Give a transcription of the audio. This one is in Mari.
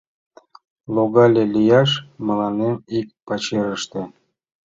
«Логале лияш мыланем ик пачерыште...»